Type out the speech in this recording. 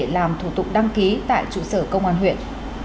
làm thủ tục đăng ký tại trụ sở công an huyện